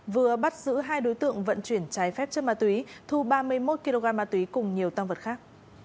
vừa bắt giữ hai đối tượng vận chuyển trái phép chất ma túy thu ba mươi một kg ma túy cùng nhiều tăng vật khác